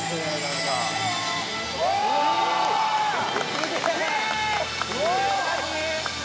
すげえ！